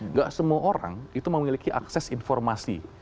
nggak semua orang itu memiliki akses informasi